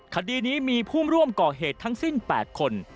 คดีนี้มีผู้ร่วมก่อเหตุทั้งสิ้น๘คน